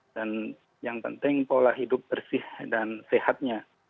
dan yang penting pola hidup bersih dan sehatnya